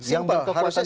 yang berkekuatan nukul